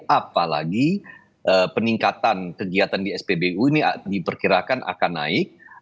apalagi peningkatan kegiatan di spbu ini diperkirakan akan naik